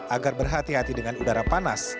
agar berhati hati dengan udara panas